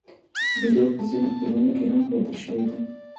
بیزو په ځینو فلمونو کې هم ښودل شوې ده.